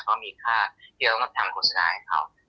ก็มีค่าเกี่ยวกับทำโฆษณาของเขา